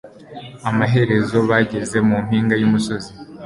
Amaherezo bageze mu mpinga y'umusozi.